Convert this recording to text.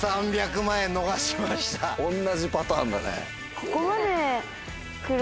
おんなじパターンだね。